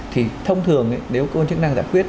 thì thông thường nếu cơ quan chức năng giải quyết